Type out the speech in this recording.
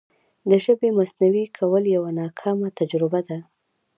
د ژبې مصنوعي کول یوه ناکامه تجربه ده.